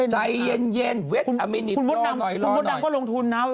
ใจเย็นเย็นเว็ดอาเมนนิตรอหน่อยรอหน่อยคุณมดดำก็ลงทุนน่ะ